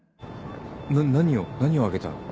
な何を何をあげたら。